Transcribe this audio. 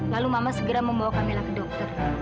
lalu mama segera membawa kamelah ke dokter